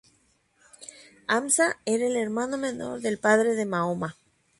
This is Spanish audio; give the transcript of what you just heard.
Hamza era el hermano menor del padre de Mahoma.